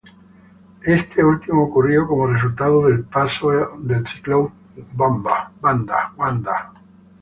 Este último ocurrió como resultado del paso del ciclón Wanda.